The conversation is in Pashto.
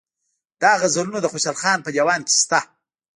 دا غزلونه د خوشحال خان په دېوان کې شته.